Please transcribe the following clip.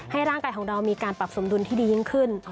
ร่างกายของเรามีการปรับสมดุลที่ดียิ่งขึ้น